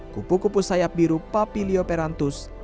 kupu kupu sayap biru papilio perantus